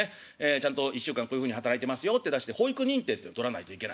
ちゃんと「１週間こういうふうに働いてますよ」って出して保育認定っていうの取らないといけないんですええ。